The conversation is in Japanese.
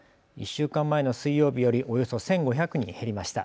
１週間前の水曜日よりおよそ１５００人減りました。